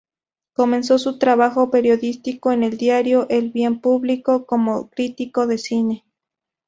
Comenzó su trabajo periodístico en el diario "El Bien Público", como crítico de cine.